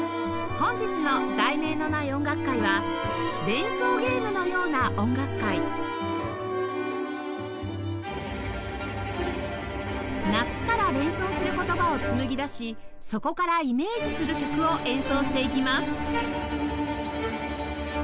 本日の『題名のない音楽会』は「夏」から連想する言葉を紡ぎ出しそこからイメージする曲を演奏していきます